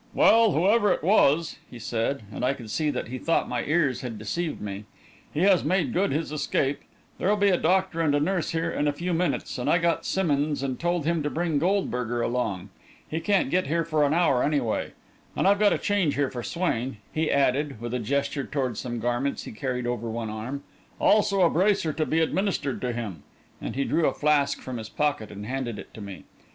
"Well, whoever it was," he said, and I could see that he thought my ears had deceived me, "he has made good his escape. There'll be a doctor and a nurse here in a few minutes, and I got Simmonds and told him to bring Goldberger along. He can't get here for an hour anyway. And I've got a change here for Swain," he added, with a gesture toward some garments he carried over one arm; "also a bracer to be administered to him," and he drew a flask from his pocket and handed it to me.